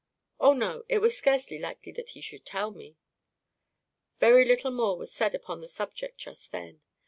"Oh, no; it was scarcely likely that he should tell me." Very little more was said upon the subject just then.